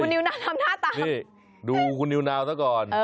นี่ดูคุณนิวนาวแล้วก่อน